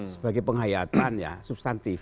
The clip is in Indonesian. sebagai penghayatan ya substantif